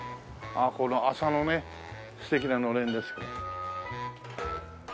ああこの麻のね素敵なのれんですけど。